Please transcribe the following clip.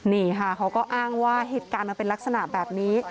นี่ค่ะเขาก็อ้างว่าเหตุการณ์มันเป็นลักษณะแบบนี้